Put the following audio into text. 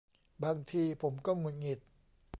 บางทีผมก็หงุดหงิด